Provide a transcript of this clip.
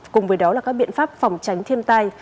cùng với đó là các biện pháp phòng tránh thiên tai